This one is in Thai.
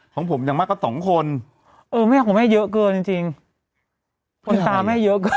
ของผมยังมากกว่าสองคนเออไม่ของแม่เยอะเกินจริงจริง